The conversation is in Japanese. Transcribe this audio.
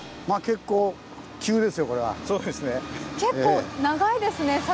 結構長いですね坂。